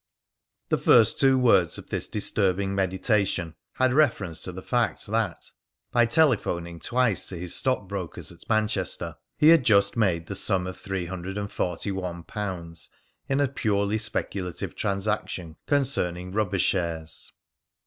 The first two words of this disturbing meditation had reference to the fact that, by telephoning twice to his stockbrokers at Manchester, he had just made the sum of three hundred and forty one pounds in a purely speculative transaction concerning Rubber shares.